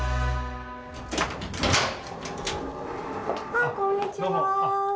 あっこんにちは。